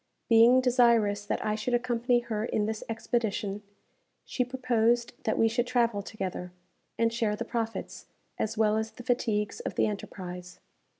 Being desirous that I should accompany her in this expedition, she proposed that we should travel together, and share the profits, as well as the fatigues of the enterprise.